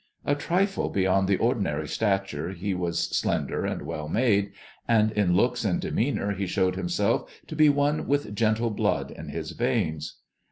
A trifle beyond the ordinary stature, he was slender and well made ; and in looks and demeanour he showed himself to be one with gentle blood in his veins.